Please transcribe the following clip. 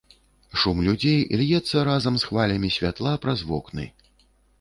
Шум людзей льецца разам з хвалямі святла праз вокны.